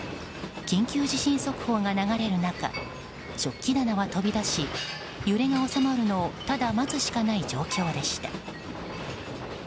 緊急地震速報が流れる中食器棚は飛び出し揺れが収まるのをただ待つしかない状況でした。